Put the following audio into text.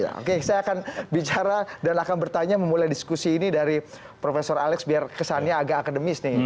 oke saya akan bicara dan akan bertanya memulai diskusi ini dari prof alex biar kesannya agak akademis nih